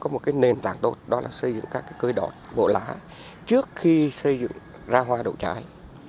cái nền tảng tốt đó là xây dựng các cây đọt bộ lá trước khi xây dựng ra hoa đậu trái